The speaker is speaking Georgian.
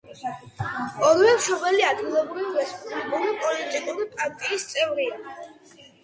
ორივე მშობელი ადგილობრივი რესპუბლიკური პოლიტიკური პარტიის წევრია.